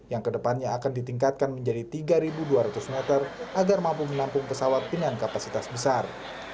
yang kedepannya akan ditingkatkan menjadi tiga dua ratus meter agar mampu menampung pesawat dengan kapasitas besar